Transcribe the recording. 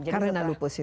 karena lupus itu